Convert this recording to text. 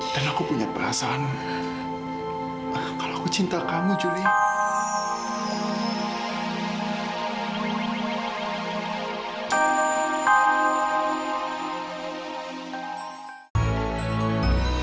dan aku punya perasaan kalau aku cinta kamu julie